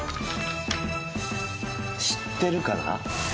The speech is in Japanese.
知ってるかな？